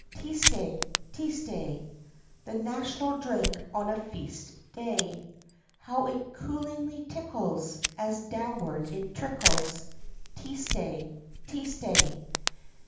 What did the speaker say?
Teestay, teestay, The national drink on a feast day; How it coolingly tickles, As downward it trickles, Teestay, teestay.